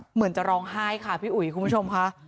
เหมือนจะร้องไห้ค่ะพี่อุ๋ยคุณผู้ชมค่ะ